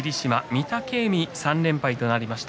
御嶽海は３連敗となりました